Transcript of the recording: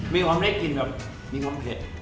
มีความได้กลิ่นแบบมีความเผ็ด